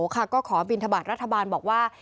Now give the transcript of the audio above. ก็ขอบินทบาทรัฐบาลบอกว่า